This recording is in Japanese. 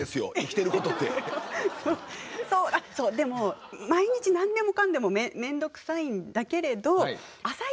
でも毎日何でもかんでもめんどくさいんだけれど確かに。